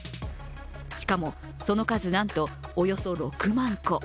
しかも、その数なんとおよそ６万個。